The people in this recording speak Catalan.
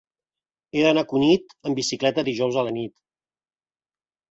He d'anar a Cunit amb bicicleta dijous a la nit.